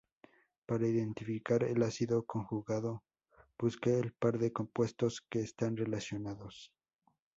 Para identificar el ácido conjugado, busque el par de compuestos que están relacionados.